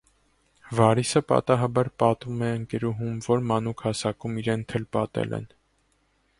Վարիսը պատահաբար պատմում է ընկերուհուն, որ մանուկ հասակում իրեն թլպատել են։